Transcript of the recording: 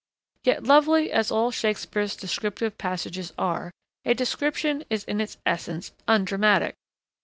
Yet lovely as all Shakespeare's descriptive passages are, a description is in its essence undramatic.